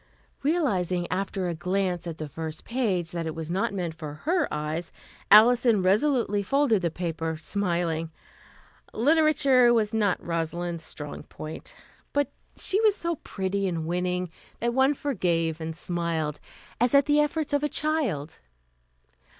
Realizing after a glance at the first page that it was not meant for her eyes, Alison resolutely folded the paper, smiling. Literature was not Rosalind's strong point, but she was so pretty and winning that one forgave and smiled, as at the efforts of a child.